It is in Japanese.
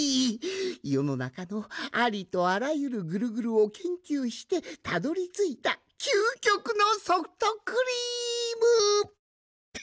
よのなかのありとあらゆるグルグルをけんきゅうしてたどりついたきゅうきょくのソフトクリーム！って。